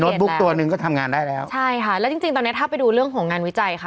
ถูกต้องคือเทรดมันเขียนแล้วใช่ค่ะแล้วจริงตอนนี้ถ้าไปดูเรื่องของงานวิจัยค่ะ